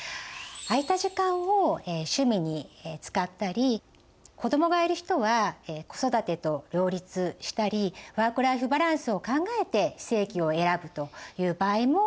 空いた時間を趣味に使ったり子どもがいる人は子育てと両立したりワーク・ライフ・バランスを考えて非正規を選ぶという場合も多いんです。